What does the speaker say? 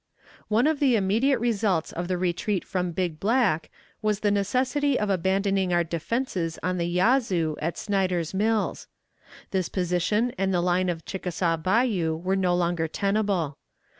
One of the immediate results of the retreat from Big Black was the necessity of abandoning our defenses on the Yazoo, at Snyder's Mills; this position and the line of Chickasaw Bayou were no longer tenable.